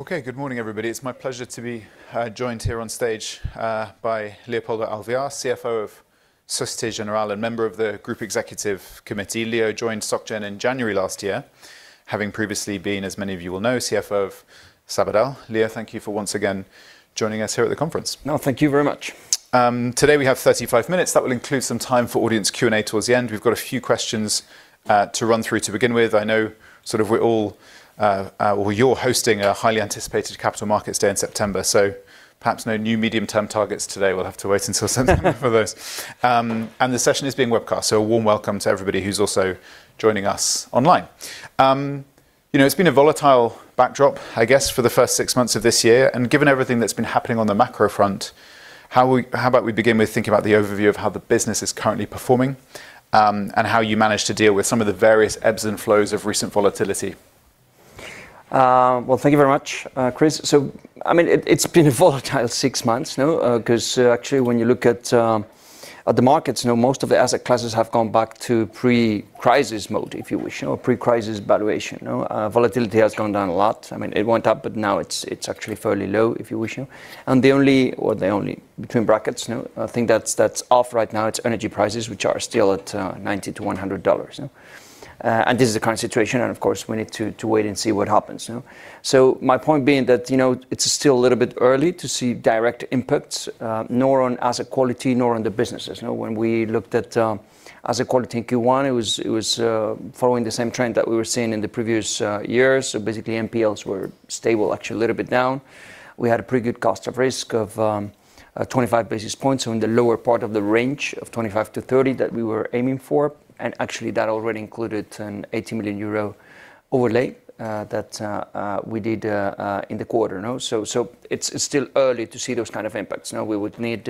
Okay. Good morning, everybody. It's my pleasure to be joined here on stage by Leopoldo Alvear, CFO of Société Générale and member of the Group Executive Committee. Leo joined Soc Gen in January last year, having previously been, as many of you will know, CFO of Sabadell. Leo, thank you for once again joining us here at the conference. No, thank you very much. Today, we have 35 minutes. That will include some time for audience Q&A towards the end. We've got a few questions to run through to begin with. I know you're hosting a highly anticipated capital markets day in September, so perhaps no new medium-term targets today. We'll have to wait until September for those. The session is being webcast, so a warm welcome to everybody who's also joining us online. It's been a volatile backdrop, I guess, for the first six months of this year. Given everything that's been happening on the macro front, how about we begin with thinking about the overview of how the business is currently performing, and how you manage to deal with some of the various ebbs and flows of recent volatility? Well, thank you very much, Chris. It's been a volatile six months, no? Actually when you look at the markets, most of the asset classes have gone back to pre-crisis mode, if you wish, pre-crisis valuation. Volatility has gone down a lot. It went up, now it's actually fairly low, if you wish. The only, between brackets, I think that's off right now, it's energy prices, which are still at $90-$100. This is the current situation and, of course, we need to wait and see what happens. My point being that it's still a little bit early to see direct impacts, nor on asset quality, nor on the businesses. When we looked at asset quality in Q1, it was following the same trend that we were seeing in the previous years. Basically, NPLs were stable, actually a little bit down. We had a pretty good cost of risk of 25 basis points, so in the lower part of the range of 25-30 that we were aiming for. Actually, that already included an 80 million euro overlay that we did in the quarter. It's still early to see those kind of impacts. We would need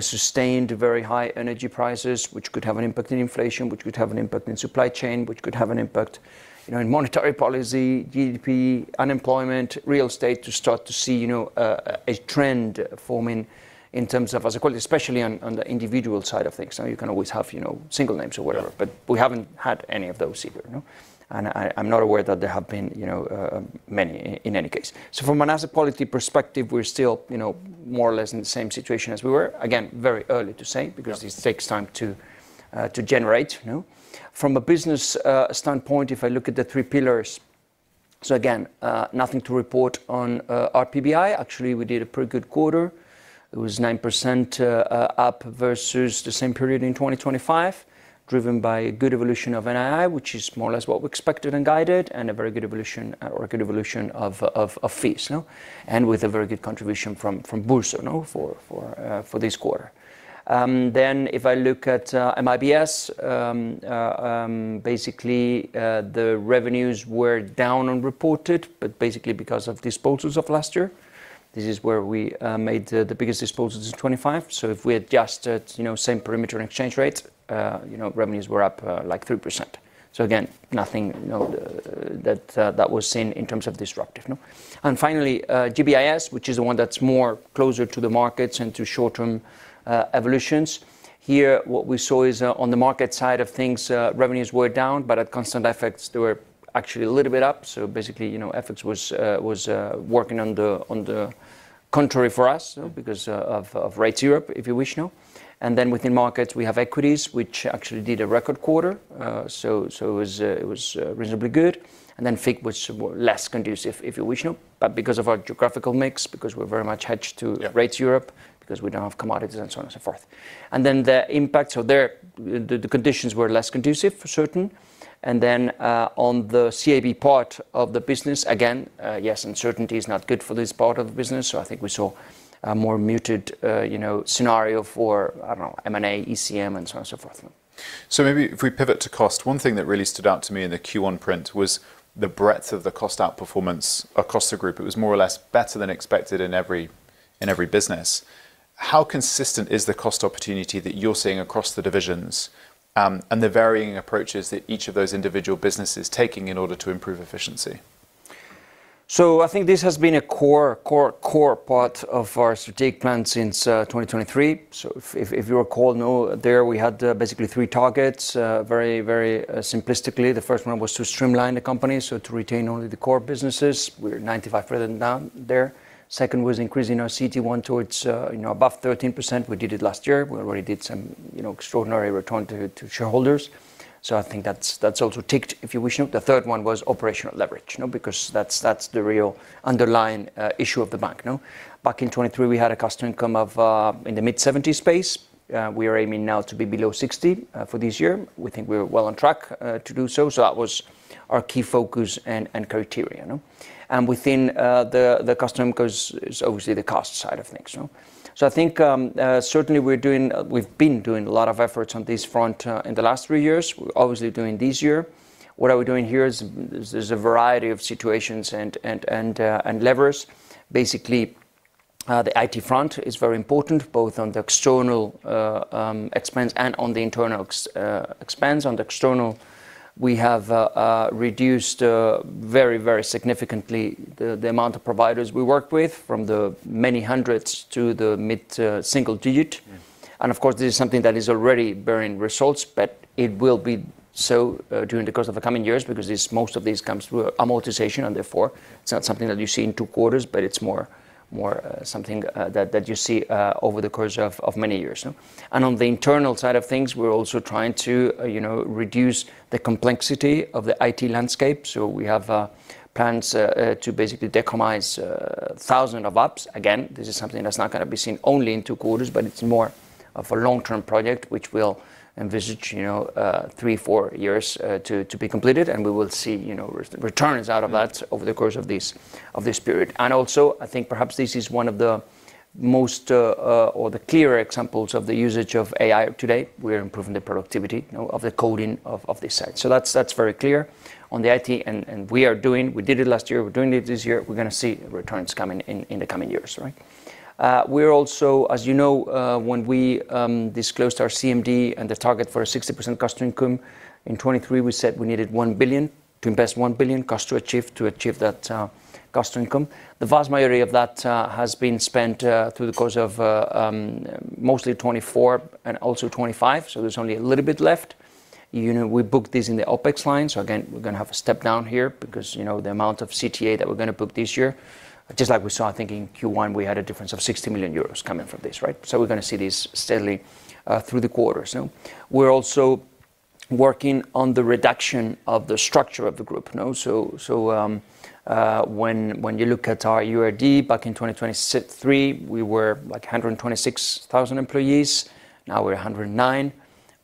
sustained, very high energy prices, which could have an impact on inflation, which could have an impact on supply chain, which could have an impact in monetary policy, GDP, unemployment, real estate, to start to see a trend forming in terms of asset quality, especially on the individual side of things. You can always have single names or whatever, we haven't had any of those either. I'm not aware that there have been many in any case. From an asset policy perspective, we're still more or less in the same situation as we were. Very early to say because this takes time to generate. From a business standpoint, if I look at the three pillars, again, nothing to report on our PBI. Actually, we did a pretty good quarter. It was 9% up versus the same period in 2025, driven by good evolution of NII, which is more or less what we expected and guided, a very good evolution or a good evolution of fees. With a very good contribution from Boursorama for this quarter. If I look at IBFS, basically, the revenues were down on reported, basically because of disposals of last year. This is where we made the biggest disposals of 2025. If we adjusted same perimeter and exchange rate, revenues were up like 3%. Again, nothing that was seen in terms of disruptive. Finally, GBIS, which is the one that's closer to the markets and to short-term evolutions. Here, what we saw is on the market side of things, revenues were down, but at constant FX, they were actually a little bit up. Basically, FX was working on the contrary for us because of Rates Europe, if you wish. Within markets, we have equities, which actually did a record quarter. It was reasonably good. FIG was less conducive, if you wish. Because of our geographical mix, because we're very much hedged to rates Europe because we don't have commodities and so on and so forth. The impact, so there, the conditions were less conducive, for certain. On the CIB part of the business, again, yes, uncertainty is not good for this part of the business. I think we saw a more muted scenario for, I don't know, M&A, ECM, and so on and so forth. Maybe if we pivot to cost, one thing that really stood out to me in the Q1 print was the breadth of the cost outperformance across the group. It was more or less better than expected in every business. How consistent is the cost opportunity that you're seeing across the divisions, and the varying approaches that each of those individual businesses is taking in order to improve efficiency? I think this has been a core part of our strategic plan since 2023. If you recall, there, we had basically three targets, very simplistically. The first one was to streamline the company, so to retain only the core businesses. We're 95% down there. Second was increasing our CET1 to above 13%. We did it last year. We already did some extraordinary return to shareholders. I think that's also ticked, if you wish. The third one was operational leverage, because that's the real underlying issue of the bank. Back in 2023, we had a cost-income ratio in the mid-70s space. We are aiming now to be below 60 for this year. We think we're well on track to do so. That was our key focus and criteria. Within the cost, because it's obviously the cost side of things. I think, certainly, we've been doing a lot of efforts on this front in the last three years. We're obviously doing this year. What are we doing here is there's a variety of situations and levers. Basically, the IT front is very important, both on the external expense and on the internal expense. On the external, we have reduced very significantly the amount of providers we work with from the many hundreds to the mid-single digit. Of course, this is something that is already bearing results, but it will be so during the course of the coming years, because most of these comes through amortization, therefore, it's not something that you see in two quarters, but it's more something that you see over the course of many years. On the internal side of things, we're also trying to reduce the complexity of the IT landscape. We have plans to basically decommission 1,000 apps. Again, this is something that's not going to be seen only in two quarters, but it's more of a long-term project, which will envisage three, four years to be completed, and we will see returns out of that over the course of this period. I think perhaps this is one of the most, or the clearer examples of the usage of AI today. We are improving the productivity of the coding of this site. That's very clear on the IT, we did it last year, we're doing it this year. We're going to see returns in the coming years. Right. We are also, as you know, when we disclosed our CMD and the target for a 60% cost-to-income in 2023, we said we needed 1 billion, to invest 1 billion cost to achieve that cost-to-income. The vast majority of that has been spent through the course of mostly 2024 and also 2025, there's only a little bit left. We booked this in the OpEx line. Again, we're going to have a step down here because the amount of CTA that we're going to book this year, just like we saw, I think, in Q1, we had a difference of 60 million euros coming from this. Right. We're going to see this steadily through the quarter. We're also working on the reduction of the structure of the group. When you look at our URD back in 2023, we were like 126,000 employees. Now we're 109.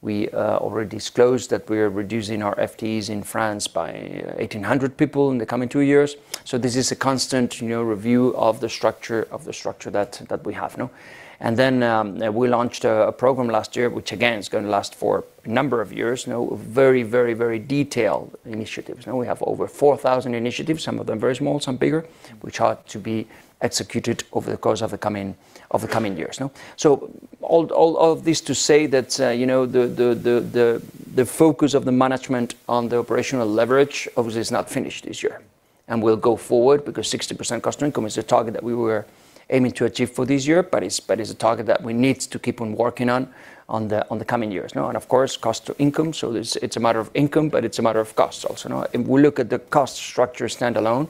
We already disclosed that we are reducing our FTEs in France by 1,800 people in the coming two years. This is a constant review of the structure that we have. Then we launched a program last year, which again, is going to last for a number of years, very detailed initiatives. We have over 4,000 initiatives, some of them very small, some bigger, which are to be executed over the course of the coming years. All of this to say that the focus of the management on the operational leverage obviously is not finished this year, and will go forward because 60% cost to income is a target that we were aiming to achieve for this year, but is a target that we need to keep on working on the coming years. Of course, cost to income. It's a matter of income, but it's a matter of cost also. If we look at the cost structure standalone,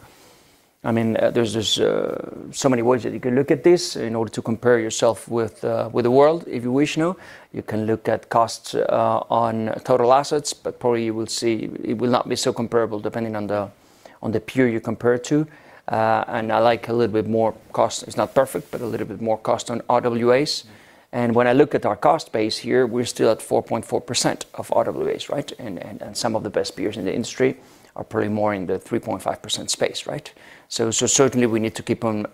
there's just so many ways that you can look at this in order to compare yourself with the world, if you wish. You can look at costs on total assets, but probably you will see it will not be so comparable depending on the peer you compare to. I like a little bit more cost. It's not perfect, but a little bit more cost on RWAs. When I look at our cost base here, we're still at 4.4% of RWAs. Right. Some of the best peers in the industry are probably more in the 3.5% space. Right. Certainly, we need to keep on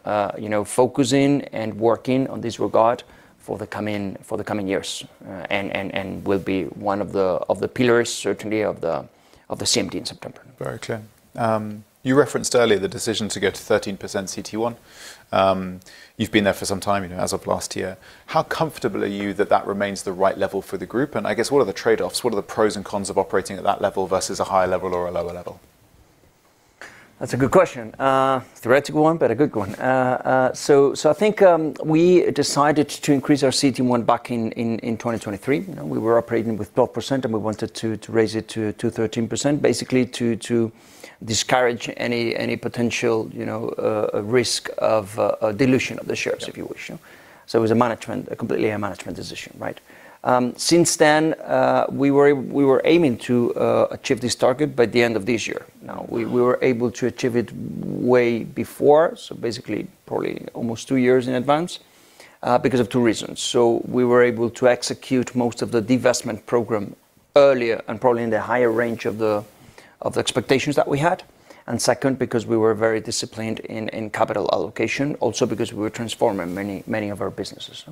focusing and working on this regard for the coming years. Will be one of the pillars, certainly, of the CMD in September. Very clear. You referenced earlier the decision to go to 13% CET1. You've been there for some time, as of last year. How comfortable are you that that remains the right level for the group? I guess, what are the trade-offs? What are the pros and cons of operating at that level versus a higher level or a lower level? That's a good question. Theoretical one, but a good one. I think we decided to increase our CET1 back in 2023. We were operating with 12%, and we wanted to raise it to 13%, basically to discourage any potential risk of dilution of the shares, if you wish. It was a completely management decision. Right. Since then, we were aiming to achieve this target by the end of this year. We were able to achieve it way before, so basically, probably almost two years in advance, because of two reasons. We were able to execute most of the divestment program earlier and probably in the higher range of the expectations that we had. Second, because we were very disciplined in capital allocation, also because we were transforming many of our businesses.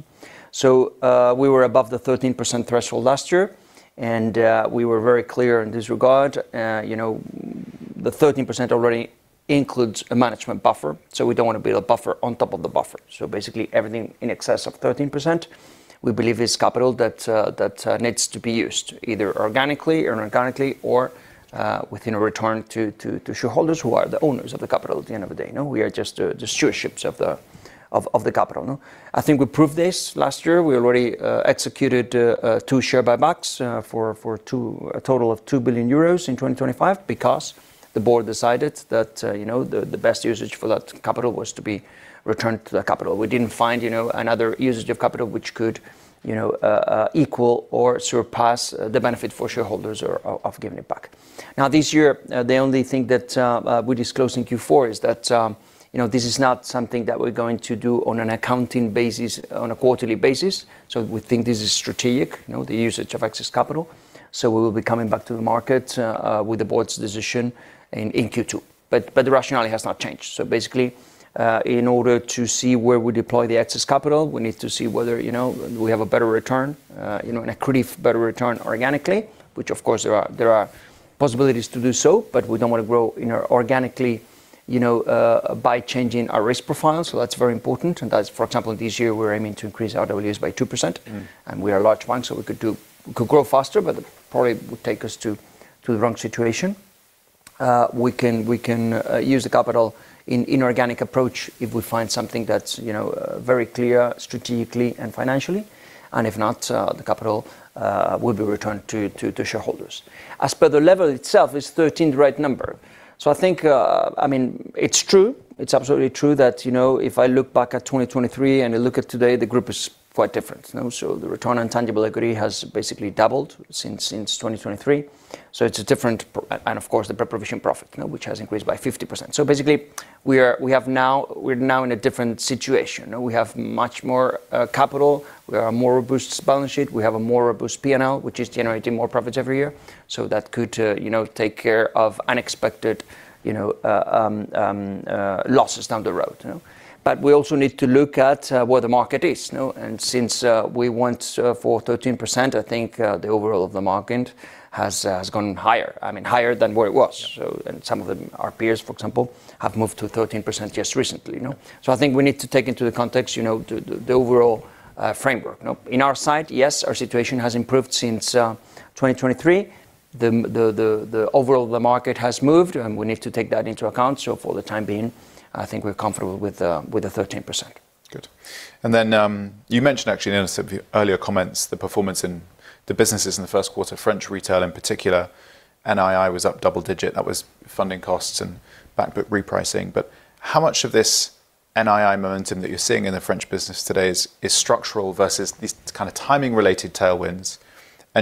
We were above the 13% threshold last year, and we were very clear in this regard. The 13% already includes a management buffer, so we don't want to build a buffer on top of the buffer. Basically, everything in excess of 13%, we believe is capital that needs to be used, either organically or inorganically or within a return to shareholders who are the owners of the capital at the end of the day. We are just the stewardships of the capital. I think we proved this last year. We already executed two share buybacks for a total of 2 billion euros in 2025 because the board decided that the best usage for that capital was to be returned to the capital. We didn't find another usage of capital which could equal or surpass the benefit for shareholders of giving it back. This year, the only thing that we disclosed in Q4 is that this is not something that we're going to do on an accounting basis on a quarterly basis. We think this is strategic, the usage of excess capital. We will be coming back to the market, with the board's decision in Q2. The rationale has not changed. Basically, in order to see where we deploy the excess capital, we need to see whether we have a better return, an accretive better return organically, which of course, there are possibilities to do so, but we don't want to grow organically by changing our risk profile. That's very important, and that's, for example, this year, we're aiming to increase our RWAs by 2%. We are a large bank, so we could grow faster, but that probably would take us to the wrong situation. We can use the capital in inorganic approach if we find something that's very clear strategically and financially, and if not, the capital will be returned to shareholders. As per the level itself, is 13 the right number? I think it's true. It's absolutely true that if I look back at 2023 and I look at today, the group is quite different. The return on tangible equity has basically doubled since 2023, and of course, the pre-provision profit, which has increased by 50%. Basically, we're now in a different situation. We have much more capital. We have a more robust balance sheet. We have a more robust P&L, which is generating more profits every year. That could take care of unexpected losses down the road. We also need to look at where the market is. Since we went for 13%, I think the overall of the market has gone higher. Higher than where it was. Some of our peers, for example, have moved to 13% just recently. I think we need to take into the context the overall framework. In our side, yes, our situation has improved since 2023. The overall market has moved, and we need to take that into account. For the time being, I think we're comfortable with the 13%. Good. You mentioned actually in the earlier comments, the performance in the businesses in the Q1, French retail in particular, NII was up double digit. That was funding costs and back book repricing. How much of this NII momentum that you're seeing in the French business today is structural versus these kind of timing related tailwinds?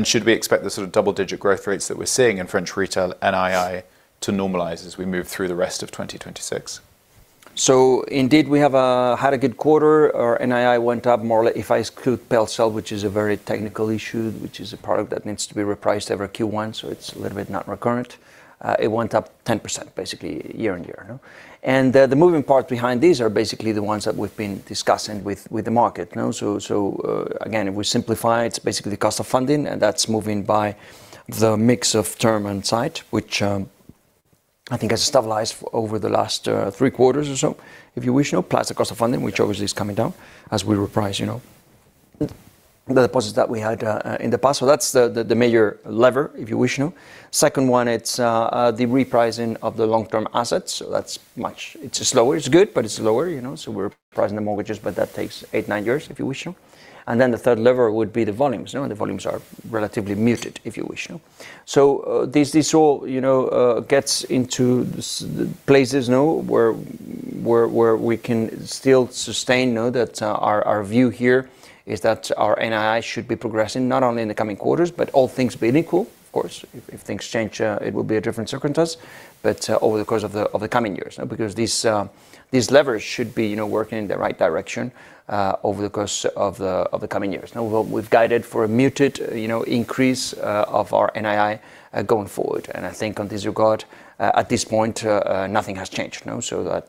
Should we expect the sort of double-digit growth rates that we're seeing in French retail NII to normalize as we move through the rest of 2026? Indeed, we have had a good quarter. Our NII went up more, if I exclude PEL/CEL, which is a very technical issue, which is a product that needs to be repriced every Q1, so it's a little bit not recurrent. It went up 10%, basically, year-on-year. The moving parts behind these are basically the ones that we've been discussing with the market. Again, if we simplify, it's basically the cost of funding, and that's moving by the mix of term and site, which I think has stabilized over the last three quarters or so, if you wish, plus the cost of funding, which obviously is coming down as we reprice the deposits that we had in the past. That's the major lever, if you wish. Second one, it's the repricing of the long-term assets. It's slower. It's good, but it's slower. We're repricing the mortgages, but that takes eight, nine years, if you wish. The third lever would be the volumes. The volumes are relatively muted, if you wish. This all gets into places where we can still sustain, that our view here is that our NII should be progressing, not only in the coming quarters, but all things being equal. Of course, if things change, it will be a different circumstance, but over the course of the coming years. These levers should be working in the right direction, over the course of the coming years. We've guided for a muted increase of our NII, going forward. I think on this regard, at this point, nothing has changed. That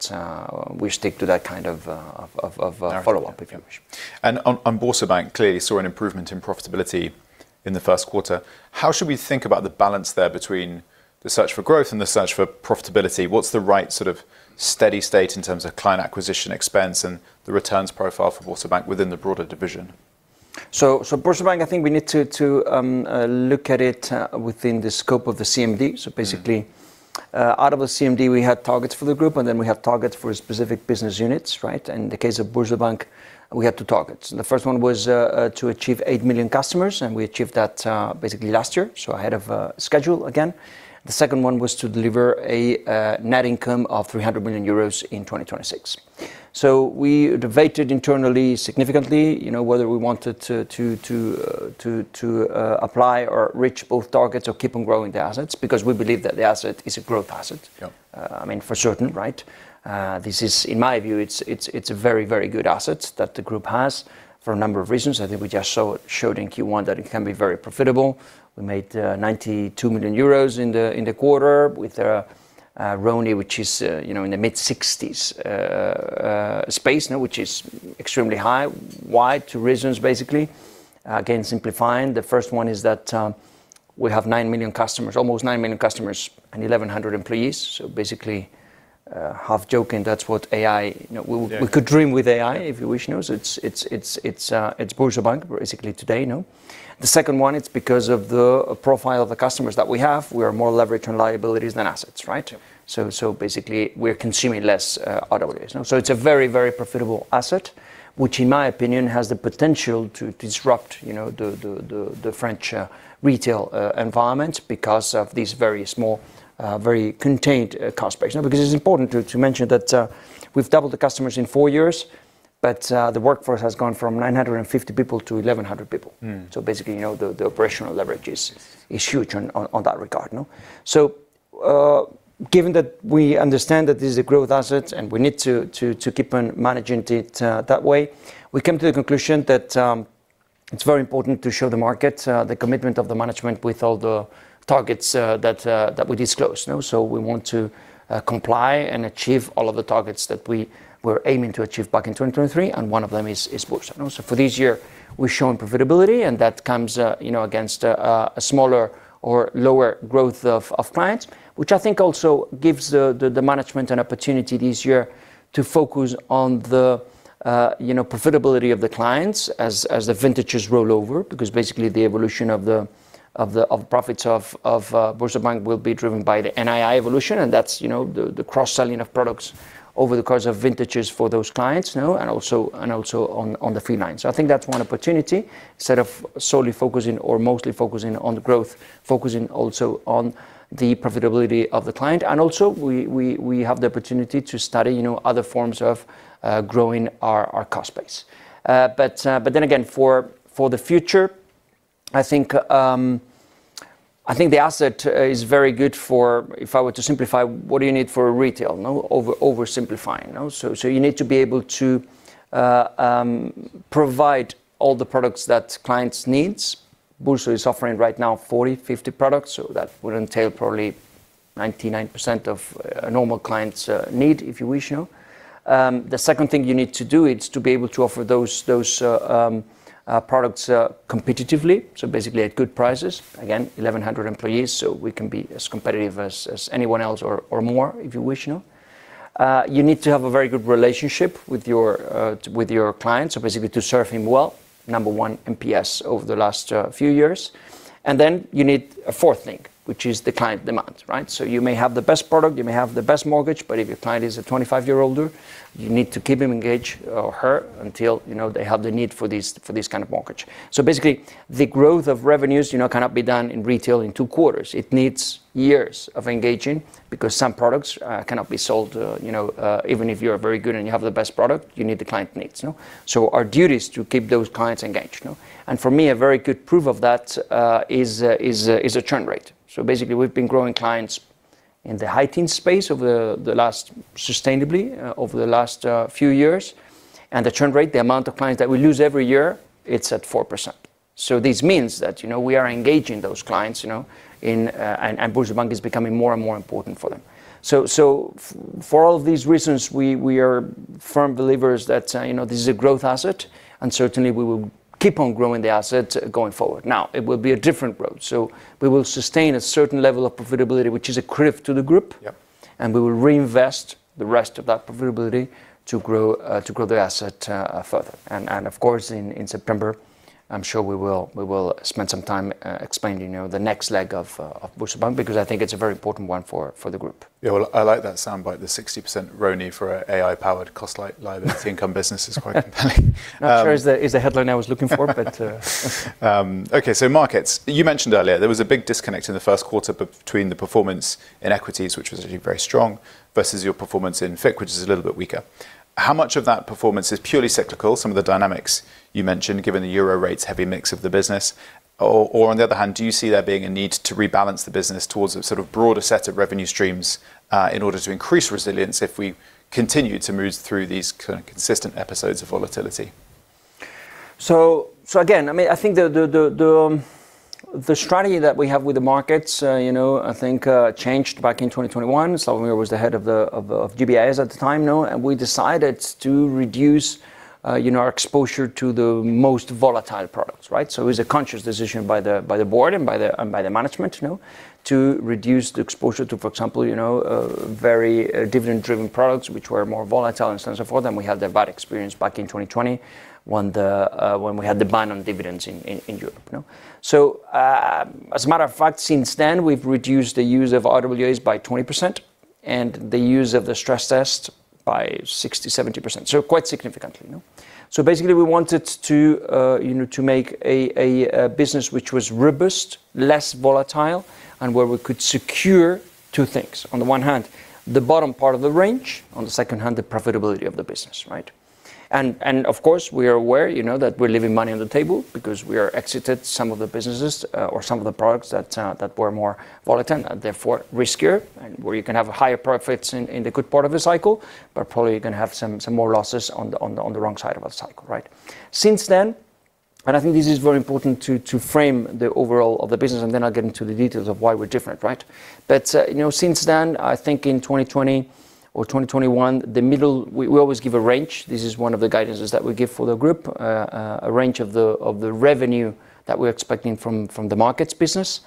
we stick to that kind of follow-up, if you wish. On Boursorama Banque, clearly saw an improvement in profitability in the Q1. How should we think about the balance there between the search for growth and the search for profitability? What's the right sort of steady state in terms of client acquisition expense and the returns profile for Boursorama Banque within the broader division? Boursorama Banque, I think we need to look at it within the scope of the CMD. Basically, out of the CMD, we had targets for the group, and then we have targets for specific business units. In the case of Boursorama Banque, we had two targets. The first one was to achieve eight million customers, and we achieved that basically last year, ahead of schedule again. The second one was to deliver a net income of 300 million euros in 2026. We debated internally significantly whether we wanted to apply or reach both targets and keep on growing the assets, because we believe that the asset is a growth asset. For certain, right? In my view, it's a very good asset that the group has for a number of reasons. I think we just showed in Q1 that it can be very profitable. We made 92 million euros in the quarter with a ROE, which is in the mid-60s space, which is extremely high. Why? Two reasons, basically. Again, simplifying, the first one is that we have nine million customers, almost nine million customers and 1,100 employees. Basically, half joking, that's what we could dream with AI, if you wish. It's Boursorama Banque basically today. The second one, it's because of the profile of the customers that we have. We are more leveraged on liabilities than assets, right? Basically, we're consuming less capital. It's a very, very profitable asset, which in my opinion, has the potential to disrupt the French retail environment because of these very small, very contained cost base. It's important to mention that we've doubled the customers in four years, but the workforce has gone from 950 people to 1,100 people. Basically, the operational leverage is huge on that regard. Given that we understand that this is a growth asset and we need to keep on managing it that way, we come to the conclusion that it's very important to show the market the commitment of the management with all the targets that we disclosed. We want to comply and achieve all of the targets that we were aiming to achieve back in 2023, and one of them is Boursorama Banque. For this year, we've shown profitability, and that comes against a smaller or lower growth of clients, which I think also gives the management an opportunity this year to focus on the profitability of the clients as the vintages roll over. Basically, the evolution of the profits of BoursoBank will be driven by the NII evolution, and that's the cross-selling of products over the course of vintages for those clients, and also on the fee lines. I think that's one opportunity, instead of solely focusing on the growth, focusing also on the profitability of the client. Also we have the opportunity to study other forms of growing our cost base. Again, for the future, I think the asset is very good for, if I were to simplify, what do you need for retail? Oversimplifying. You need to be able to provide all the products that clients need. BoursoBank is offering right now 40, 50 products, that would entail probably 99% of normal clients' need, if you wish. The second thing you need to do is to be able to offer those products competitively, so basically at good prices. Again, 1,100 employees, so we can be as competitive as anyone else or more, if you wish. You need to have a very good relationship with your client, so basically to serve him well. Number one NPS over the last few years. You need a fourth thing, which is the client demand. You may have the best product, you may have the best mortgage, but if your client is a 25-year-older, you need to keep him engaged, or her, until they have the need for this kind of mortgage. Basically, the growth of revenues cannot be done in retail in two quarters. It needs years of engaging because some products cannot be sold even if you are very good and you have the best product, you need the client needs. Our duty is to keep those clients engaged. For me, a very good proof of that is the churn rate. Basically, we've been growing clients in the high-teen space sustainably over the last few years. The churn rate, the amount of clients that we lose every year, it's at 4%. This means that we are engaging those clients, and BoursoBank is becoming more and more important for them. For all these reasons, we are firm believers that this is a growth asset, and certainly we will keep on growing the asset going forward. Now, it will be a different road. We will sustain a certain level of profitability, which is accretive to the group. We will reinvest the rest of that profitability to grow the asset further. Of course, in September, I'm sure we will spend some time explaining the next leg of BoursoBank because I think it's a very important one for the group. Yeah. Well, I like that soundbite, the 60% RONAE for an AI-powered cost liability income business is quite compelling. Not sure it's the headline I was looking for, but. Markets. You mentioned earlier there was a big disconnect in the first quarter between the performance in equities, which was really very strong, versus your performance in FICC, which is a little bit weaker. How much of that performance is purely cyclical? Some of the dynamics you mentioned, given the euro rates heavy mix of the business. On the other hand, do you see there being a need to rebalance the business towards a broader set of revenue streams in order to increase resilience if we continue to move through these consistent episodes of volatility? Again, I think the strategy that we have with the markets I think changed back in 2021. Slawomir was the head of GBIS at the time, and we decided to reduce our exposure to the most volatile products. It was a conscious decision by the board and by the management to reduce the exposure to, for example, very dividend-driven products which were more volatile and so forth. We had the bad experience back in 2020 when we had the ban on dividends in Europe. As a matter of fact, since then, we've reduced the use of RWAs by 20% and the use of the stress test by 60%-70%. Quite significantly. Basically we wanted to make a business which was robust, less volatile, and where we could secure two things. On the one hand, the bottom part of the range, on the second hand, the profitability of the business. Of course, we are aware that we're leaving money on the table because we have exited some of the businesses or some of the products that were more volatile and therefore riskier, and where you can have higher profits in the good part of the cycle, but probably you're going to have some more losses on the wrong side of a cycle. Since then, I think this is very important to frame the overall of the business, and then I'll get into the details of why we're different. Since then, I think in 2020 or 2021, we always give a range. This is one of the guidance that we give for the group, a range of the revenue that we're expecting from the markets business.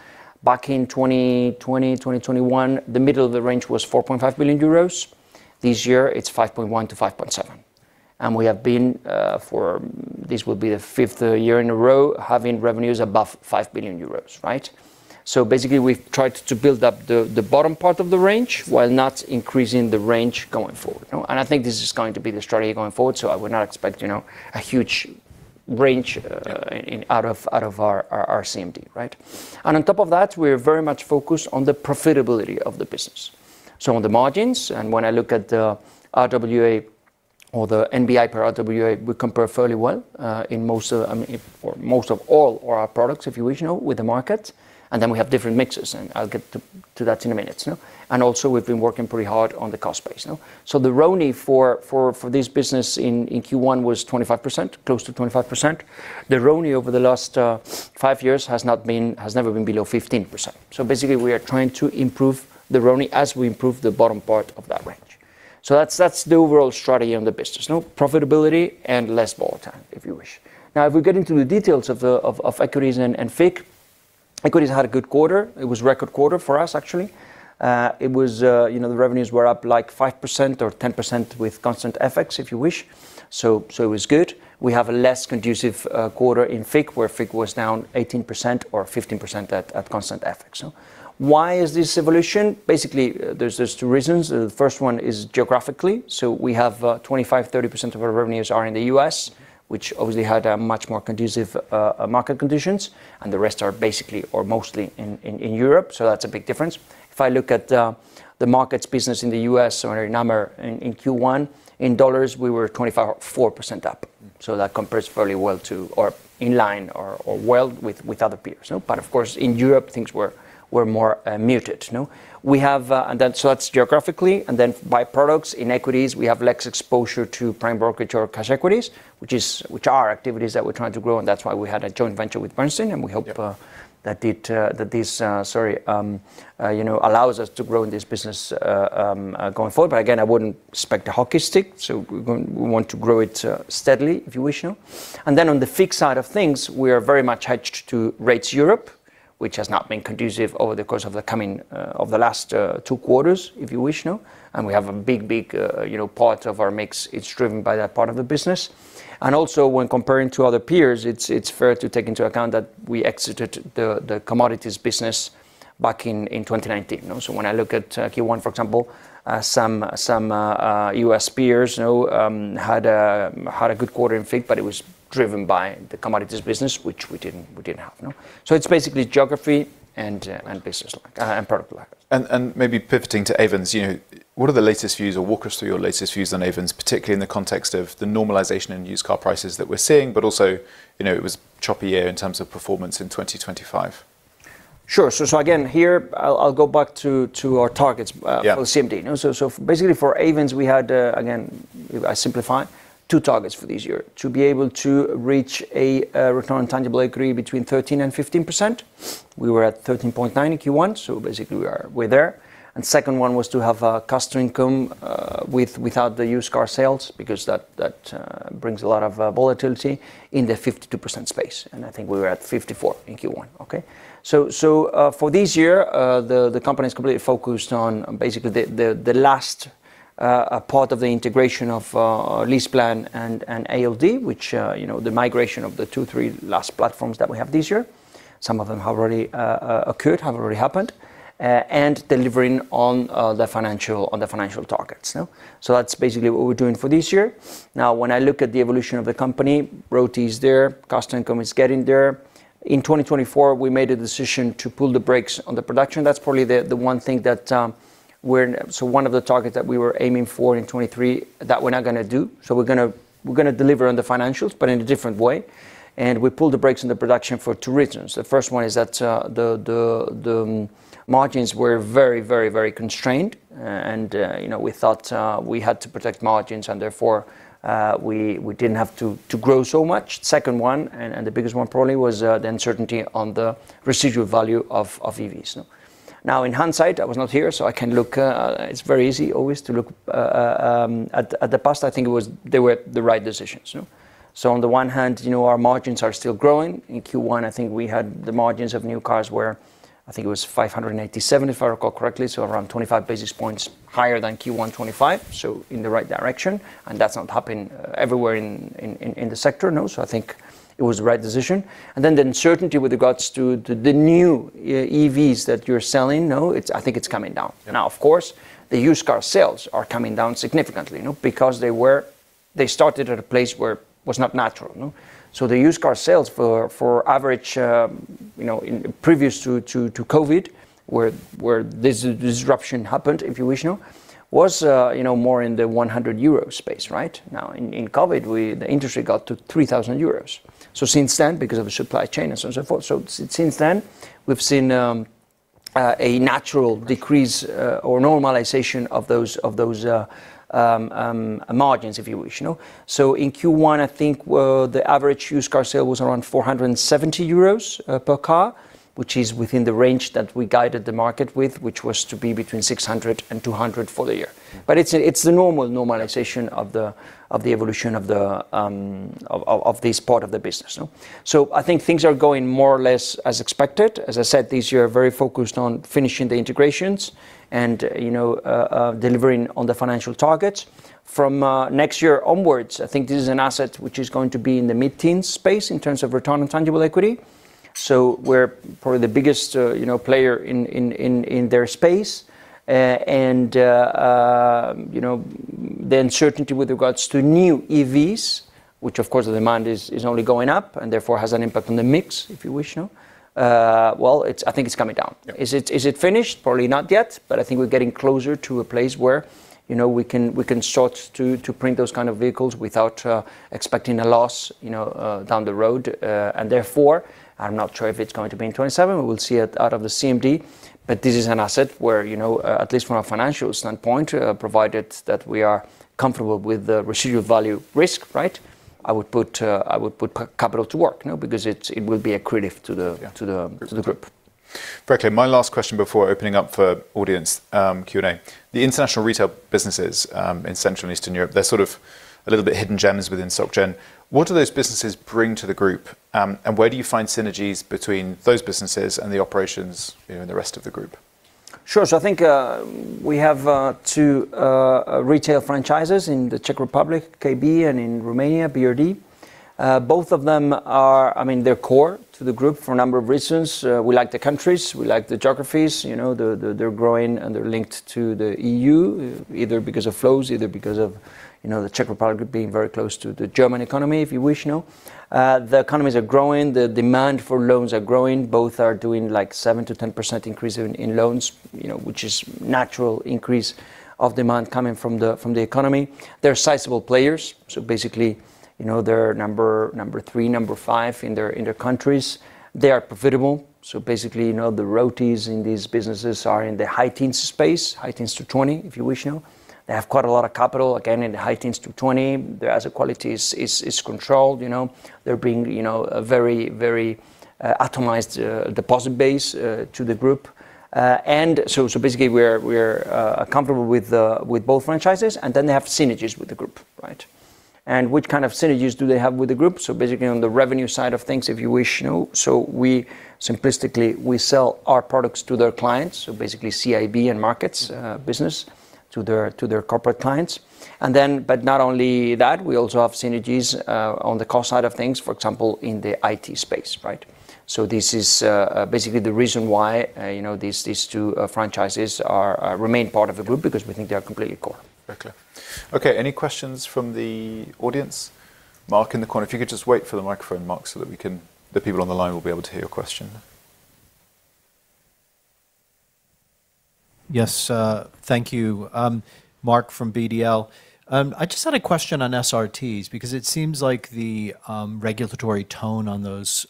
Back in 2020, 2021, the middle of the range was 4.5 billion euros. This year, it's 5.1-5.7. We have been, this will be the fifth year in a row, having revenues above 5 billion euros. Basically we've tried to build up the bottom part of the range while not increasing the range going forward. I think this is going to be the strategy going forward, so I would not expect a huge range out of our CMD. On top of that, we're very much focused on the profitability of the business. On the margins, and when I look at the RWA or the NBI per RWA, we compare fairly well for most of all our products, if you wish, with the market. Then we have different mixes, and I'll get to that in a minute. We've been working pretty hard on the cost base. The RONAE for this business in Q1 was close to 25%. The RONAE over the last five years has never been below 15%. We are trying to improve the RONAE as we improve the bottom part of that range. That's the overall strategy on the business. Profitability and less volatile, if you wish. If we get into the details of Equities and FICC Equities had a good quarter. It was a record quarter for us, actually. The revenues were up 5% or 10% with constant FX, if you wish. It was good. We have a less conducive quarter in FICC, where FICC was down 18% or 15% at constant FX. Why is this evolution? Basically, there's two reasons. The first one is geographically. We have 25%-30% of our revenues are in the U.S., which obviously had a much more conducive market conditions, and the rest are basically, or mostly in Europe. That's a big difference. If I look at the markets business in the U.S., in our number in Q1, in dollars, we were 24% up. That compares fairly well to, or in line or well with other peers. Of course, in Europe, things were more muted. That's geographically, then by products. In equities, we have less exposure to prime brokerage or cash equities, which are activities that we're trying to grow, and that's why we had a joint venture with Bernstein, and we hope that this allows us to grow in this business going forward. Again, I wouldn't expect a hockey stick, so we want to grow it steadily, if you wish. On the FICC side of things, we are very much hedged to Rates Europe, which has not been conducive over the course of the last two quarters, if you wish now. We have a big part of our mix; it's driven by that part of the business. Also, when comparing to other peers, it's fair to take into account that we exited the commodities business back in 2019. When I look at Q1, for example, some U.S. peers had a good quarter in FICC, but it was driven by the commodities business, which we didn't have. It's basically geography and business, and product lines. Maybe pivoting to Ayvens, what are the latest views, or walk us through your latest views on Ayvens, particularly in the context of the normalization in used car prices that we're seeing, but also, it was a choppy year in terms of performance in 2025? Sure. Again, here, I'll go back to our targets. For CMD. Basically, for Ayvens, we had again, I simplify, two targets for this year to be able to reach a return on tangible equity between 13%-15%. We were at 13.9 in Q1, basically we're there. Second one was to have cost-to- income without the used car sales, because that brings a lot of volatility in the 52% space. I think we were at 54 in Q1. Okay. For this year, the companies completely focused on basically the last part of the integration of our LeasePlan and ALD, which the migration of the two, three last platforms that we have this year. Some of them have already occurred, have already happened, delivering on the financial targets. That's basically what we're doing for this year. When I look at the evolution of the company, RoTE is there, cost income is getting there. In 2024, we made a decision to pull the brakes on the production. That's probably the one thing that one of the targets that we were aiming for in 2023, that we're not going to do. We're going to deliver on the financials, but in a different way. We pulled the brakes on the production for two reasons. The first one is that the margins were very constrained. We thought we had to protect margins, and therefore, we didn't have to grow so much. Second one, and the biggest one probably, was the uncertainty on the residual value of EVs. In hindsight, I was not here, so it's very easy always to look at the past. I think they were the right decisions. On the one hand, our margins are still growing. In Q1, I think we had the margins of new cars were, I think it was 587, if I recall correctly. Around 25-basis points higher than Q1 2025. In the right direction, and that's not happening everywhere in the sector. I think it was the right decision. The uncertainty with regards to the new EVs that you're selling now, I think it's coming down. Of course, the used car sales are coming down significantly. They started at a place where it was not natural. The used car sales for average, previous to COVID, where this disruption happened, if you wish, now, was more in the 100 euro space, right? In COVID, the industry got to 3,000 euros. Since then, because of the supply chain and so forth, since then, we've seen a natural decrease or normalization of those margins, if you wish. In Q1, I think the average used car sale was around 470 euros per car, which is within the range that we guided the market with, which was to be between 600 and 200 for the year. It's the normal normalization of the evolution of this part of the business. I think things are going more or less as expected. As I said, this year, very focused on finishing the integrations and delivering on the financial targets. From next year onwards, I think this is an asset which is going to be in the mid-teen space in terms of return on tangible equity. We're probably the biggest player in their space. The uncertainty with regards to new EVs, which of course the demand is only going up and therefore has an impact on the mix, if you wish now. Well, I think it's coming down. Is it finished? Probably not yet, but I think we're getting closer to a place where we can start to print those kind of vehicles without expecting a loss down the road. Therefore, I'm not sure if it's going to be in 2027, but we'll see it out of the CMD, but this is an asset where at least from a financial standpoint, provided that we are comfortable with the residual value risk, right? I would put capital to work. It will be accretive to the group. Very clear. My last question before opening up for audience Q&A. The international retail businesses in Central and Eastern Europe, they're sort of a little bit hidden gems within Soc Gen. What do those businesses bring to the group? Where do you find synergies between those businesses and the operations in the rest of the group? Sure. I think we have two retail franchises in the Czech Republic, KB, and in Romania, BRD. Both of them are core to the group for a number of reasons. We like the countries. We like the geographies. They're growing, and they're linked to the EU, because of flows, because of the Czech Republic being very close to the German economy, if you wish. The economies are growing, the demand for loans are growing. Both are doing 7%-10% increase in loans, which is natural increase of demand coming from the economy. They're sizable players, so basically, they're number three, number five in their countries. They are profitable, so basically, the RoTEs in these businesses are in the high teens space, high teens to 20, if you wish. They have quite a lot of capital, again, in the high teens to 20. Their asset quality is controlled. They're bringing a very atomized deposit base to the group. Basically, we're comfortable with both franchises, they have synergies with the group. Right? Which kind of synergies do they have with the group? Basically, on the revenue side of things, if you wish, simplistically, we sell our products to their clients, basically CIB and markets business to their corporate clients. Not only that, but we also have synergies on the cost side of things, for example, in the IT space. Right? This is basically the reason why these two franchises remain part of the group, because we think they are completely core. Very clear. Okay, any questions from the audience? Mark in the corner. If you could just wait for the microphone, Mark, so that the people on the line will be able to hear your question. Yes. Thank you. Mark from BDL. I just had a question on SRTs, because it seems like the regulatory tone on those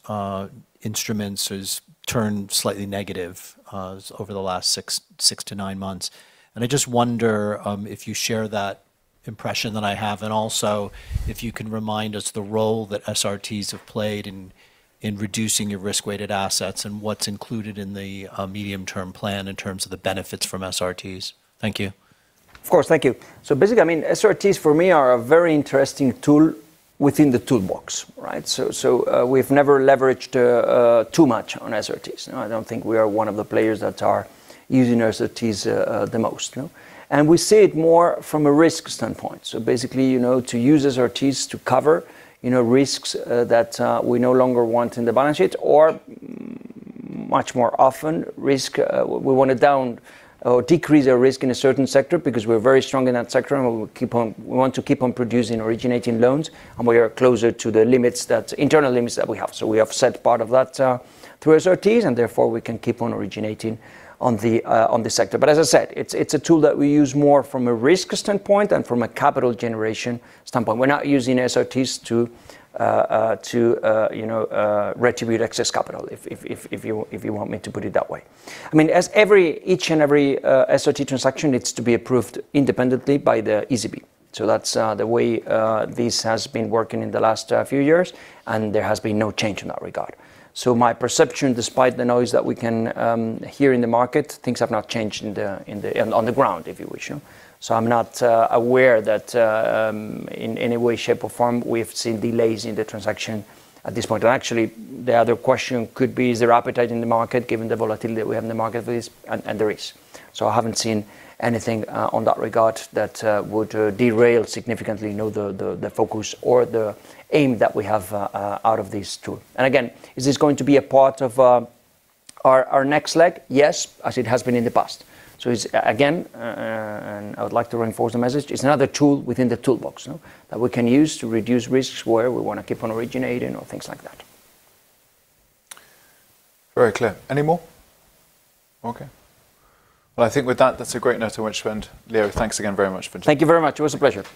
instruments has turned slightly negative over the last six to nine months. I just wonder if you share that impression that I have, and also if you can remind us the role that SRTs have played in reducing your risk-weighted assets, and what's included in the medium-term plan in terms of the benefits from SRTs. Thank you. Of course. Thank you. Basically, SRTs for me are a very interesting tool within the toolbox. Right? We've never leveraged too much on SRTs. I don't think we are one of the players that are using SRTs the most. We see it more from a risk standpoint, basically, to use SRTs to cover risks that we no longer want in the balance sheet, or much more often, risk we want to decrease a risk in a certain sector because we're very strong in that sector, and we want to keep on producing, originating loans, and we are closer to the internal limits that we have. We offset part of that through SRTs, and therefore we can keep on originating on the sector. As I said, it's a tool that we use more from a risk standpoint than from a capital generation standpoint. We're not using SRTs to retribute excess capital, if you want me to put it that way. Each and every SRT transaction needs to be approved independently by the ECB. That's the way this has been working in the last few years, and there has been no change in that regard. My perception, despite the noise that we can hear in the market, things have not changed on the ground, if you wish. I'm not aware that in any way, shape, or form we have seen delays in the transaction at this point. Actually, the other question could be is their appetite in the market given the volatility that we have in the market with this, and there is. I haven't seen anything on that regard that would derail significantly the focus or the aim that we have out of this tool. Again, is this going to be a part of our next leg? Yes, as it has been in the past. Again, I would like to reinforce the message, it's another tool within the toolbox that we can use to reduce risks where we want to keep on originating or things like that. Very clear. Anymore? Okay. Well, I think with that's a great note on which to end. Leo, thanks again very much for joining. Thank you very much. It was a pleasure.